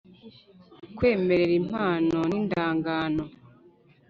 Kwemerera impano n indagano